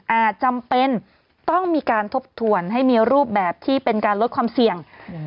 จำเป็นต้องมีการทบทวนให้มีรูปแบบที่เป็นการลดความเสี่ยง